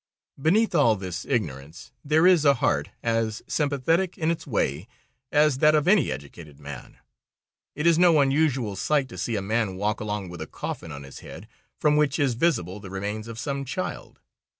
Beneath all this ignorance there is a heart, as sympathetic, in its way, as that of any educated man. It is no unusual sight to see a man walk along with a coffin on his head, from which is visible the remains of some child.